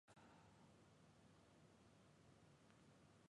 沖縄県本部町